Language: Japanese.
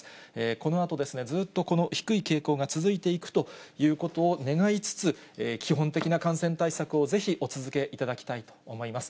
このあと、ずっとこの低い傾向が続いていくということを願いつつ、基本的な感染対策をぜひお続けいただきたいと思います。